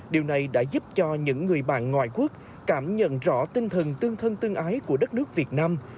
điều này đã giúp cho những người bạn ngoài quốc cảm nhận rõ tinh thần tương thân tương ái của đất nước việt nam